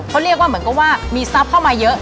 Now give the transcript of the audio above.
เขาเรียกว่าเหมือนกับว่ามีทรัพย์เข้ามาเยอะ